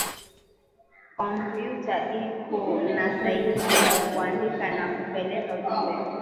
Kompiuta iko nasaidia kuandika na kupeleka ujumbe